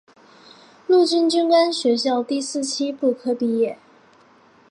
陆军军官学校第四期步科毕业。